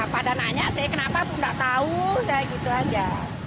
pada nanya saya kenapa nggak tahu saya gitu aja